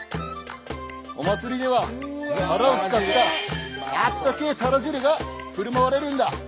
お祭りではタラを使ったあったけえタラ汁がふるまわれるんだ。